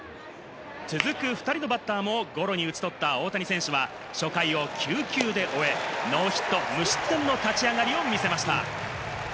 続く２人のバッターもゴロに打ち取った大谷選手は、初回を９球で終え、ノーヒット無失点の立ち上がりを見せました。